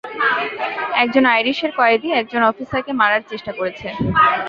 একজন আইরিশের কয়েদী একজন অফিসারকে মারার চেষ্টা করেছে।